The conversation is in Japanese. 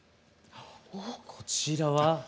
こちらは？